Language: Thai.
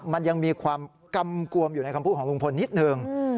มันยังมีความกำกวมอยู่ในคำพูดของลุงพลนิดนึง